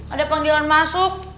ada panggilan masuk